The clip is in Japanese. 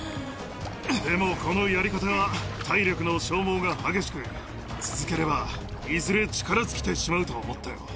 でもこのやり方は、体力の消耗が激しく、続ければ、いずれ力尽きてしまうと思ったよ。